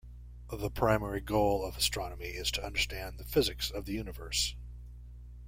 The primary goal of astronomy is to understand the physics of the universe.